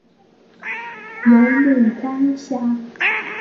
有牡丹虾